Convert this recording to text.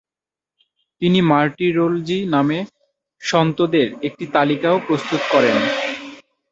তিনি মার্টিরোলজি নামে সন্তদের একটি তালিকাও প্রস্তুত করেন।